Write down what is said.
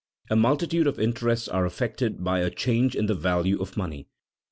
A multitude of interests are affected by a change in the value of money.